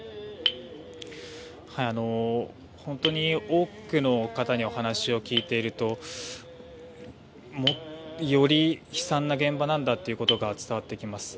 本当に多くの方にお話を聞いているとより悲惨な現場なんだということが伝わってきます。